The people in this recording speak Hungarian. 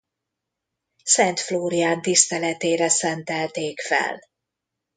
Szent Flórián tiszteletére szentelték fel.